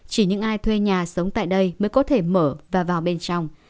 chỉ những ai thuê nhà sống tại đây mới có thể mở và vào bên trong